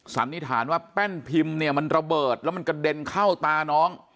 สันนิษฐานว่าแป้นพิมพ์เนี่ยมันระเบิดแล้วมันกระเด็นเข้าตาน้อง